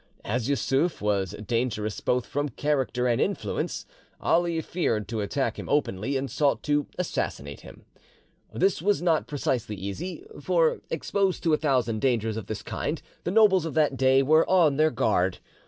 As Yussuf was dangerous both from character and influence, Ali feared to attack him openly, and sought to assassinate him. This was not precisely easy; for, exposed to a thousand dangers of this kind, the nobles of that day were on their guard.